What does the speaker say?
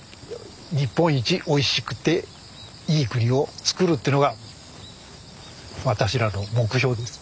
日本一おいしくていい栗を作るというのが私らの目標です。